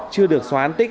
chưa được xóa án tích